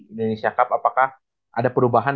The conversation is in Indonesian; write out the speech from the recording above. indonesia cup apakah ada perubahan